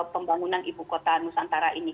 pembangunan ibu kota nusantara ini